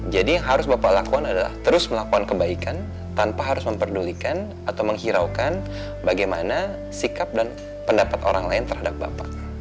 jadi yang harus bapak lakukan adalah terus melakukan kebaikan tanpa harus memperdulikan atau menghiraukan bagaimana sikap dan pendapat orang lain terhadap bapak